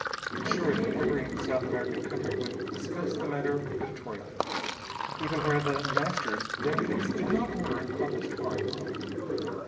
Assuredly every South American country would discuss the matter editorially, even where The Master's deputies did not order it published far and wide.